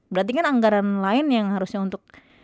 berarti kan anggaran lain yang harusnya untuk